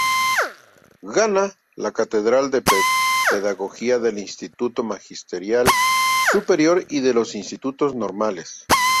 Gana la Cátedra de Pedagogía del Instituto Magisterial Superior y de los Institutos Normales.